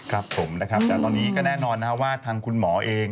ครับผมนะครับแต่ตอนนี้ก็แน่นอนนะครับว่าทางคุณหมอเอง